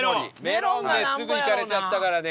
メロンですぐ行かれちゃったからね。